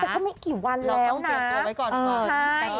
ก็ไม่กี่วันแล้วนะเราต้องเตรียมตัวไว้ก่อนค่ะ